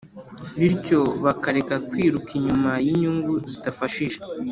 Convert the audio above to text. bityo bakareka kwiruka inyuma y’inyungu zidafashije.